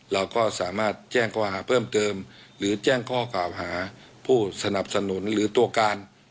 เราก็สามารถแจ้งข้อหาเพิ่มเติมหรือแจ้งข้อกล่าวหาผู้สนับสนุนหรือตัวการ